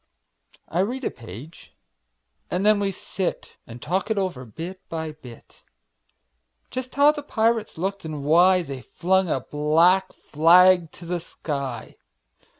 I read a page, and then we sit And talk it over, bit by bit; Just how the pirates looked, and why They flung a black flag to the sky.